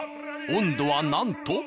温度はなんと。